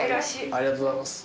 ありがとうございます。